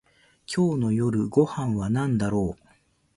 今日の夜ご飯はなんだろう